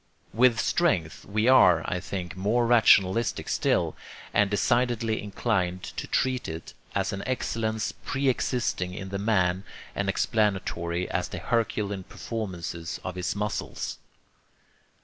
With 'strength' we are, I think, more rationalistic still, and decidedly inclined to treat it as an excellence pre existing in the man and explanatory of the herculean performances of his muscles.